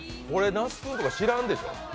那須君とか知らんでしょ？